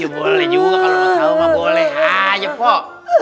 boleh juga kalo mau tau mah boleh aja pok